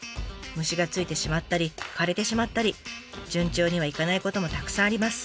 虫がついてしまったり枯れてしまったり順調にはいかないこともたくさんあります。